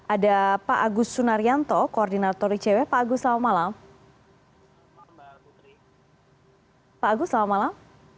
ada pak agus sunaryanto koordinator icw pak agus selamat malam